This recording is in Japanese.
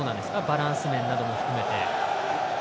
バランス面なども含めて。